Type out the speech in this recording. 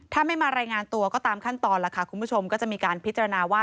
ถ้าไม่มารายงานตัวก็ตามขั้นตอนล่ะค่ะคุณผู้ชมก็จะมีการพิจารณาว่า